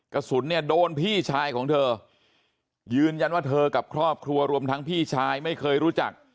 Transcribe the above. กระสุนเนี่ยโดนพี่ชายของเธอยืนยันว่าเธอกับครอบครัวรวมทั้งพี่ชายไม่เคยรู้จัก